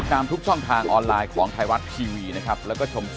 ตัวตึงขอให้ระวัง